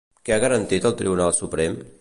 Què ha garantit el Tribunal Suprem?